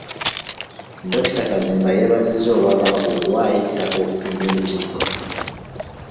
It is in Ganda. Dr. Kazimba yeebazizza Obwakabaka okuwaayo ettaka okutudde Lutikko.